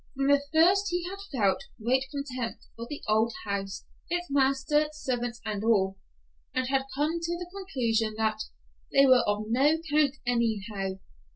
From the first he had felt great contempt for the old house, its master, servants and all; and had come to the conclusion that "they were of no 'count anyhow."